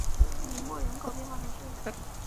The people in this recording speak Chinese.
吕莫人口变化图示